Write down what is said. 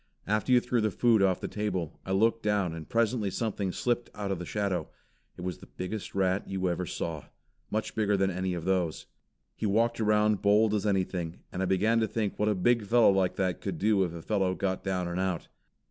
After you threw the food off the table, I looked down and presently something slipped out of the shadow. It was the biggest rat you ever saw. Much bigger than any of those. He walked around bold as anything, and I began to think what a big fellow like that could do if a fellow got down and out.